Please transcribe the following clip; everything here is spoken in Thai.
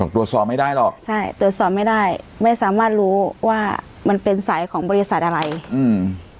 ตรวจสอบไม่ได้หรอกใช่ตรวจสอบไม่ได้ไม่สามารถรู้ว่ามันเป็นสายของบริษัทอะไรอืม